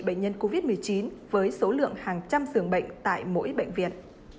bệnh nhân covid một mươi chín với số lượng hàng trăm dường bệnh tại mỗi bệnh viện